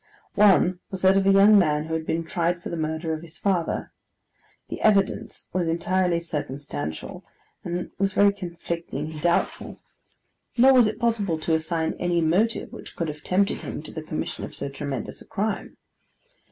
One was that of a young man, who had been tried for the murder of his father. The evidence was entirely circumstantial, and was very conflicting and doubtful; nor was it possible to assign any motive which could have tempted him to the commission of so tremendous a crime.